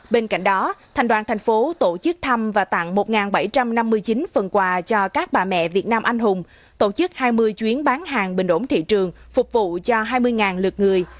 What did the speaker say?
bên cạnh đó thành đoàn thành phố tổ chức thăm và tặng một bảy trăm năm mươi chín phần quà cho các bà mẹ việt nam anh hùng tổ chức hai mươi chuyến bán hàng bình ổn thị trường phục vụ cho hai mươi lượt người